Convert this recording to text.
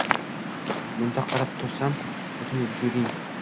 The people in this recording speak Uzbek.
Mundoq qarab tursam, butun vujuding